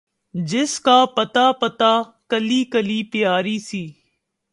جس کا پتا پتا، کلی کلی پیاری سی